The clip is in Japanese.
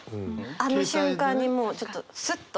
あの瞬間にもうちょっとスッと。